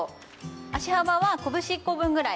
足幅は拳１個分ぐらい。